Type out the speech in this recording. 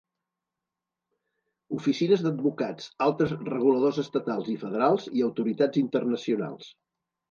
Oficines d'advocats, altres reguladors estatals i federals i autoritats internacionals.